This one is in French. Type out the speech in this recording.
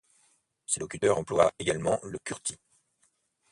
Ses locuteurs emploient également le kurti.